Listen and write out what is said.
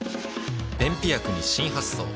便秘薬に新発想